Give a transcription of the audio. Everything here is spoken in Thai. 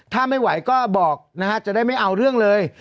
ถ้าไม่ไหวก็บอกนะฮะจะได้ไม่เอาเรื่องเลย